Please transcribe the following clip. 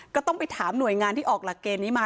ก็ต้องไปถามหน่วยงานที่ออกหลักเกณฑ์นี้มา